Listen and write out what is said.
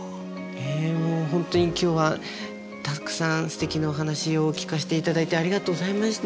本当に今日はたくさんすてきなお話を聞かせていただいてありがとうございました。